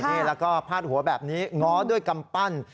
นี่แล้วก็พาดหัวแบบนี้ง้อด้วยกำปั้น